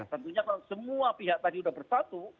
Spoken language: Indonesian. tentunya kalau semua pihak tadi sudah bersatu